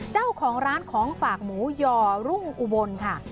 เจ้าของร้านของฝากหมูยอรุ่งอุบลค่ะ